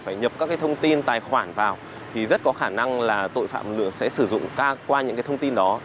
phải nhập các cái thông tin tài khoản vào thì rất có khả năng là tội phạm lừa sẽ sử dụng qua những cái thông tin đó